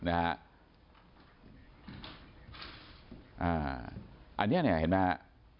อันนี้เห็นไหมครับ